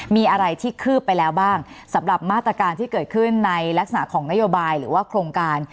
มีอะไรที่คืบไปแล้วบ้างสำหรับมาตรการที่เกิดขึ้นในลักษณะของนโยบายหรือว่าโครงการ